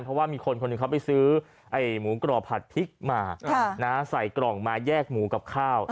เพราะว่ามีคนคนหนึ่งเขาไปซื้อหมูกรอบผัดพริกมาใส่กล่องมาแยกหมูกับข้าว